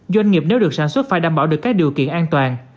doanh nghiệp nếu được sản xuất phải đảm bảo được các điều kiện an toàn